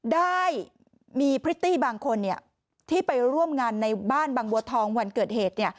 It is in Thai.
ได้มีพริตตี้บางคนที่ไปร่วมงานในบ้านบางบัวทองวันเกิดเหตุ